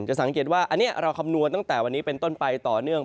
สังเกตว่าอันนี้เราคำนวณตั้งแต่วันนี้เป็นต้นไปต่อเนื่อง